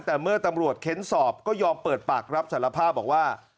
แต่เมื่อตำรวจเค้นสอบก็ยอมเปิดปากรับสารภาพบอกว่า